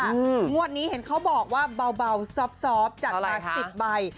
งวดนี้เห็นเขาบอกว่าเบาซอบจัดมา๑๐ใบ